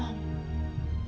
aku mau pergi